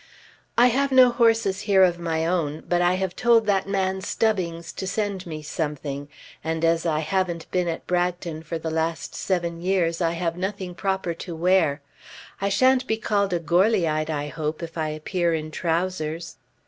"I have no horses here of my own, but I have told that man Stubbings to send me something, and as I haven't been at Bragton for the last seven years I have nothing proper to wear. I shan't be called a Goarlyite I hope if I appear in trowsers."